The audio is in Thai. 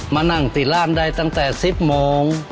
มานั่งติดร้านได้ตั้งแต่๑๐โมง